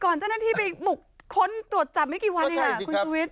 เจ้าหน้าที่ไปบุกค้นตรวจจับไม่กี่วันเองคุณชุวิต